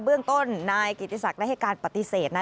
เรื่องต้นนายกิติศักดิ์ได้ให้การปฏิเสธนะ